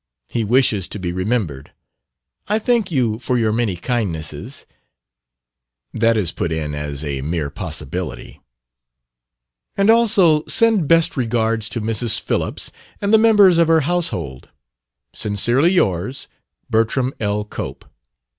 He wishes to be remembered. I thank you for your many kindnesses,' that is put in as a mere possibility, 'and also send best regards to Mrs. Phillips and the members of her household. Sincerely yours, Bertram L. Cope.'"